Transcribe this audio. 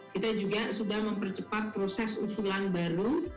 kita juga sudah mempercepat proses usulan baru